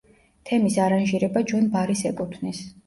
თემის არანჟირება ჯონ ბარის ეკუთვნის.